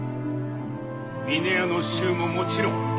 峰屋の衆ももちろん。